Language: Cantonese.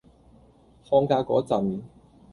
放假嗰陣